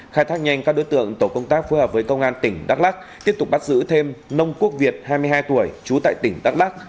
khai thác nhanh các đối tượng tổ công tác phối hợp với công an tỉnh đắk lắc tiếp tục bắt giữ thêm nông quốc việt hai mươi hai tuổi trú tại tỉnh đắk lắc